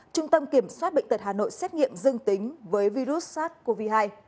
trung tâm kiểm soát bệnh tật hà nội xét nghiệm dương tính với virus sars cov hai